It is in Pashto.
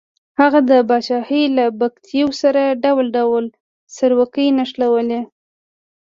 هغه د پاچاهۍ له بګتیو سره ډول ډول سروکي نښلوي.